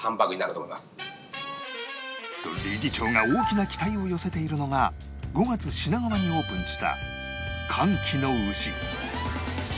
と理事長が大きな期待を寄せているのが５月品川にオープンした歓喜の牛